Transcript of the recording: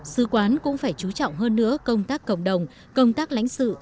sứ quán cũng phải chú trọng hơn nữa công tác cộng đồng công tác lãnh sự